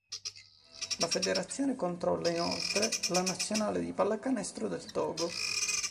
La federazione controlla inoltre la nazionale di pallacanestro del Togo.